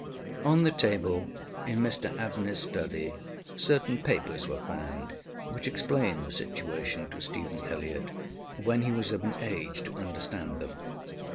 On the table in Mr AbneyŌĆÖs study certain papers were found which explained the situation to Stephen Elliott when he was of an age to understand them.